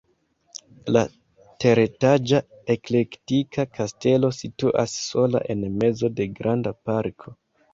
La teretaĝa eklektika kastelo situas sola en mezo de granda parko.